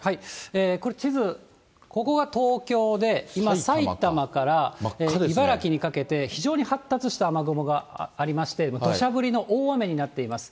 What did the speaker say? これ、地図、ここが東京で、今、埼玉から茨城にかけて、非常に発達した雨雲がありまして、どしゃ降りの大雨になっています。